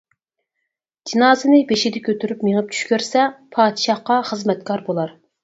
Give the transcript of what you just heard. جىنازىنى بېشىدا كۆتۈرۈپ مېڭىپ چۈش كۆرسە، پادىشاھقا خىزمەتكار بولار.